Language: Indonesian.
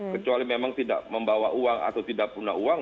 kecuali memang tidak membawa uang atau tidak punya uang